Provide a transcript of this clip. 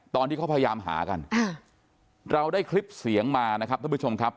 ตอนที่เขาพยายามหากันเราได้คลิปเสียงมานะครับท่านผู้ชมครับ